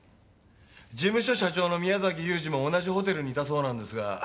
事務所社長の宮崎祐司も同じホテルにいたそうなんですが。